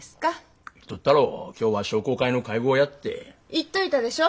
言っといたでしょ？